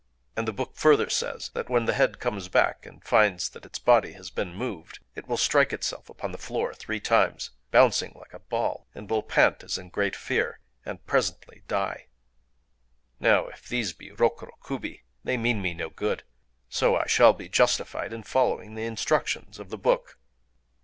And the book further says that when the head comes back and finds that its body has been moved, it will strike itself upon the floor three times,—bounding like a ball,—and will pant as in great fear, and presently die. Now, if these be Rokuro Kubi, they mean me no good;—so I shall be justified in following the instructions of the book."...